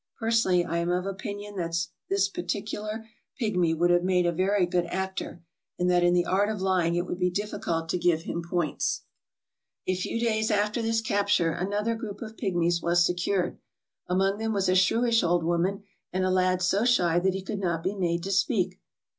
Personally, I am of opinion that this particular pigmy would have made a very good actor, and that in the art of lying it would be difficult to give him points. A few days after this capture another group of pigmies was secured. Among them was a shrewish old woman, and a lad so shy that he could not be made to speak.